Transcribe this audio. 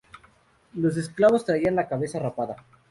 Los esclavos traían la cabeza rapada.